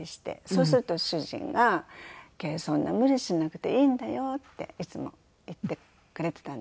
そうすると主人が「惠そんな無理しなくていいんだよ」っていつも言ってくれていたんですけど。